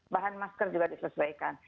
bahan masker juga disesuaikan